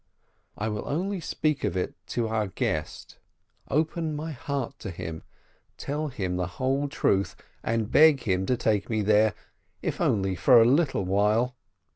I will only speak of it to our guest, open my heart to him, tell him the whole truth, and beg him to take me there, if only for a little while.